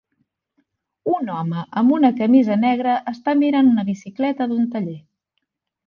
Un home amb una camisa negra està mirant una bicicleta d'un taller.